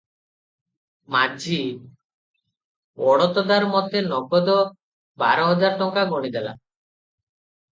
ମାଝି- ଅଡ଼ତଦାର ମତେ ନଗଦ ବାରହଜାର ଟଙ୍କା ଗଣିଦେଲା ।